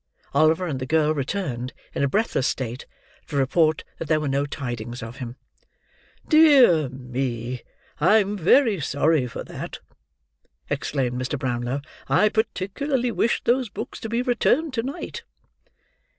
Oliver and the girl returned, in a breathless state, to report that there were no tidings of him. "Dear me, I am very sorry for that," exclaimed Mr. Brownlow; "I particularly wished those books to be returned to night."